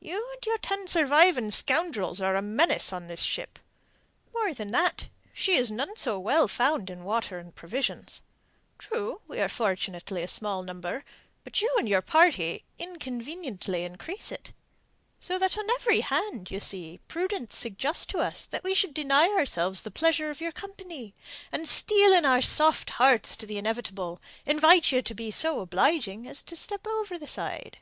You and your ten surviving scoundrels are a menace on this ship. More than that, she is none so well found in water and provisions. True, we are fortunately a small number, but you and your party inconveniently increase it. So that on every hand, you see, prudence suggests to us that we should deny ourselves the pleasure of your company, and, steeling our soft hearts to the inevitable, invite you to be so obliging as to step over the side."